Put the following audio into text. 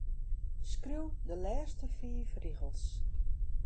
Skriuw de lêste fiif rigels.